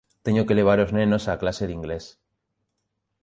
Teño que levar os nenos á clase de inglés.